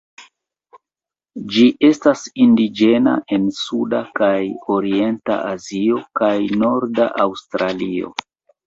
Ĝi estas indiĝena en suda kaj orienta Azio kaj norda Aŭstralio.